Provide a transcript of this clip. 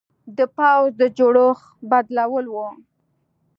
د پوځ د جوړښت بدلول و.